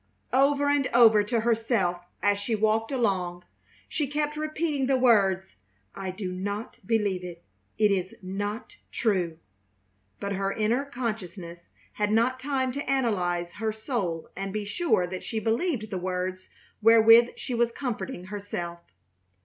Over and over to herself, as she walked along, she kept repeating the words: "I do not believe it! It is not true!" but her inner consciousness had not had time to analyze her soul and be sure that she believed the words wherewith she was comforting herself.